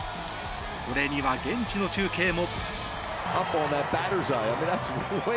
これには現地の中継も。